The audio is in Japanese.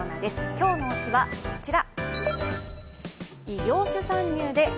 今日の推しはこちら。